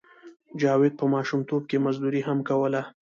جاوید په ماشومتوب کې مزدوري هم کوله